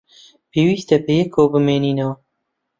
پێویستە بەیەکەوە بمێنینەوە.